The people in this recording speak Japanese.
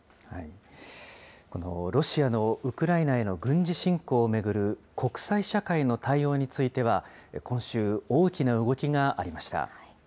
このロシアのウクライナへの軍事侵攻を巡る、国際社会の対応については今週、大きな動きがありました。